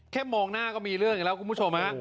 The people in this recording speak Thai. มองหน้าก็มีเรื่องอีกแล้วคุณผู้ชมฮะ